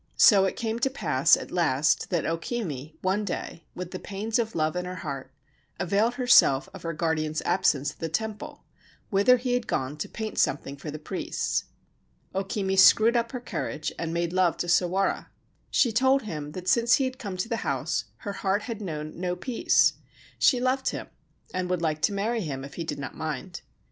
So it came to pass at last that O Kimi one day, with the pains of love in her heart, availed herself of her guardian's absence at the temple, whither he had gone to paint something for the priests. O Kimi screwed up her courage and made love to Sawara. She told him that since he had come to the house her heart had known no peace. She loved him, and would like to marry him if he did not mind.